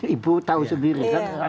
ibu tahu sendiri